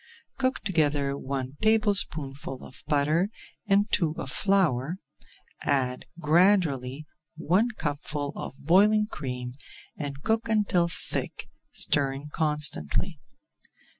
Cook together one tablespoonful of butter and two of flour, add gradually one cupful of boiling cream, and cook until thick, stirring constantly.